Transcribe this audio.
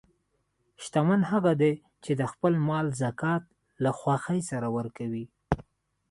شتمن هغه دی چې د خپل مال زکات له خوښۍ سره ورکوي.